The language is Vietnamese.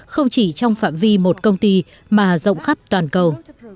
không chỉ trong phạm vi một công ty mà rộng khắp toàn cầu